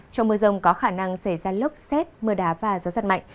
trong mưa rông có khả năng xảy ra lốc xét mưa đá và gió giật mạnh